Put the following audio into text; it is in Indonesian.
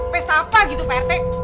pes apa gitu pak rt